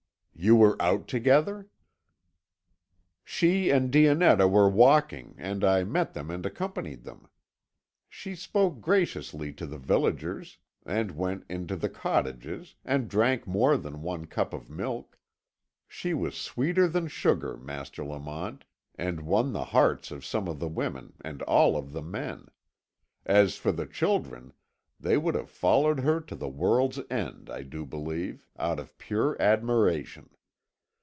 "You were out together." "She and Dionetta were walking, and I met them and accompanied them. She spoke graciously to the villagers, and went into the cottages, and drank more than one cup of milk. She was sweeter than sugar, Master Lamont, and won the hearts of some of the women and of all the men. As for the children, they would have followed her to the world's end, I do believe, out of pure admiration.